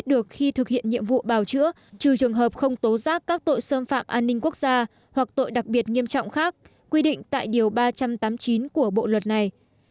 trừ trường hợp không tố giác các tội xâm phạm an ninh quốc gia hoặc tội đặc biệt nghiêm trọng khác quy định tại điều ba trăm tám mươi chín của bộ luật này